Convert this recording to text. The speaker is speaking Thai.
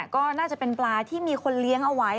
ก็น่าจะเป็นปลาที่มีคนเลี้ยงเอาไว้